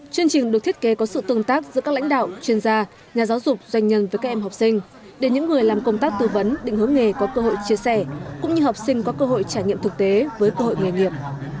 chương trình được thiết kế có sự tương tác giữa các lãnh đạo chuyên gia nhà giáo dục doanh nhân với các em học sinh để những người làm công tác tư vấn định hướng nghề có cơ hội chia sẻ cũng như học sinh có cơ hội trải nghiệm thực tế với cơ hội nghề nghiệp